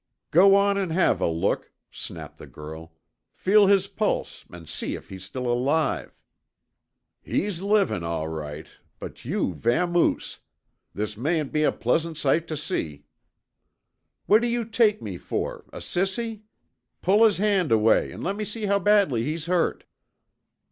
"Go on and have a look," snapped the girl. "Feel his pulse and see if he's still alive." "He's livin', all right, but you vamoose this mayn't be a pleasant sight tuh see." "What do you take me for, a sissy? Pull his hand away, and let's see how badly he's hurt."